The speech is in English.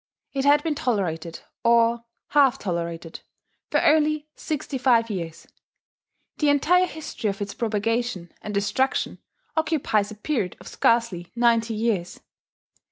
It had been tolerated, or half tolerated, for only sixty five years: the entire history of its propagation and destruction occupies a period of scarcely ninety years.